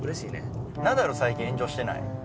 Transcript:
ナダル最近炎上してない？